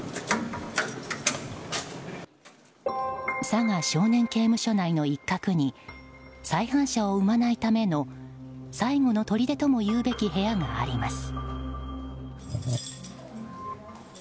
佐賀少年刑務所内の一角に再犯者を生まないための最後のとりでともいうべき部屋があります。